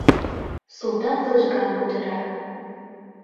— Султан лыжган кутыра.